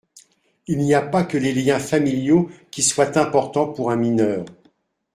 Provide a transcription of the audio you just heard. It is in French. Il n’y a pas que les liens familiaux qui soient importants pour un mineur.